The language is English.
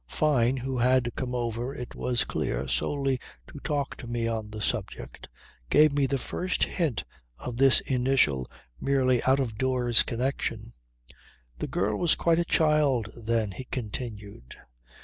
Fyne who had come over, it was clear, solely to talk to me on that subject, gave me the first hint of this initial, merely out of doors, connection. "The girl was quite a child then," he continued.